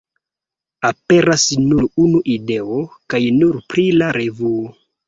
Aperas nur unu ideo, kaj nur pri la revuo.